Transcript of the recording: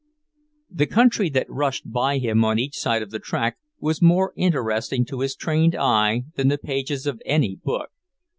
The country that rushed by him on each side of the track was more interesting to his trained eye than the pages of any book.